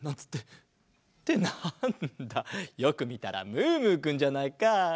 ってなんだよくみたらムームーくんじゃないか。